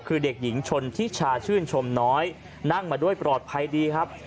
คือเด็กหญิงชนทิชาชื่นชมน้อยนั่งมาด้วยปลอดภัยดีครับ